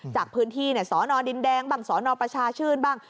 จากพื้นที่สนดินแดงบ้างสนประชาชื่นบ้าง